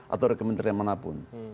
atau rekomendernya manapun